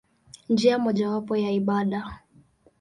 Njia mojawapo ya ibada.